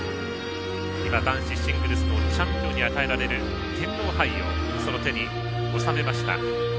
男子シングルスのチャンピオンに与えられる天皇杯をその手におさめました。